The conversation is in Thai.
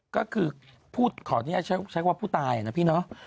ก็คือขอใช้ความว่าผู้ตายนะพี่เนาะ